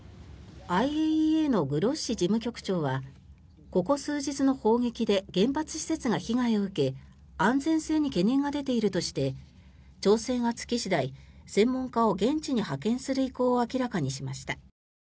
ＩＡＥＡのグロッシ事務局長はここ数日の砲撃で原発施設が被害を受け安全性に懸念が出ているとして調整がつき次第専門家を現地に派遣する意向を明らかにしました。